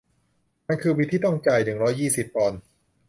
มันคือบิลที่ต้องจ่ายหนึ่งร้อยยี่สิบปอนด์